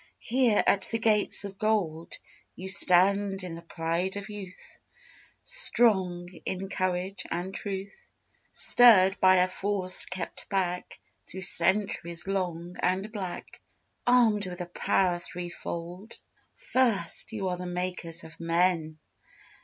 Here at the gates of gold You stand in the pride of youth, Strong in courage and truth, Stirred by a force kept back Through centuries long and black, Armed with a power threefold! First: You are makers of men!